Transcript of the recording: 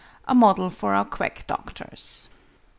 A MODEL FOR OUR QUACK DOCTORS.